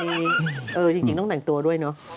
จริงต้องแต่งตัวด้วยเนอะ